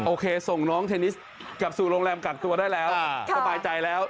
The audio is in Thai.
โอเคส่งน้องเทนนิสกลับสู่โรงแรมกักตัวได้แล้วสบายใจแล้ว